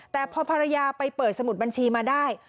แต่พอภรรยาไปเปิดสมุดบัญชีมาได้